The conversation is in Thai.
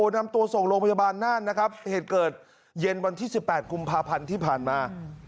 นำตัวส่งโรงพยาบาลน่านนะครับเหตุเกิดเย็นวันที่๑๘กุมภาพันธ์ที่ผ่านมา